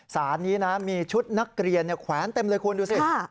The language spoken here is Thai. สารนี้นะมีชุดนักเรียนแขวนเต็มเลยคุณดูสิ